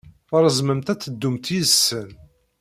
Tzemremt ad teddumt yid-sen.